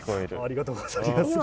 ありがとうござりまする。